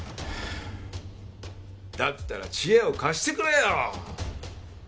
だったら知恵を貸してくれよ！